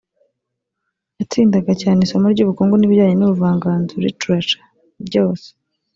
yatsindaga cyane isomo ry’ubukungu n’ibijyanye n’ubuvanganzo (literature) byose